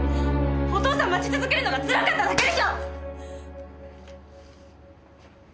お父さんを待ち続けるのがつらかっただけでしょ！